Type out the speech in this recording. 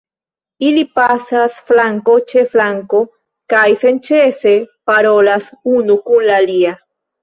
Ili pasas flanko ĉe flanko kaj senĉese parolas unu kun la alia.